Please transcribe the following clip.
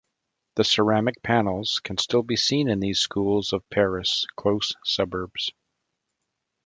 These ceramic panels can still be seen in these schools of Paris close suburbs.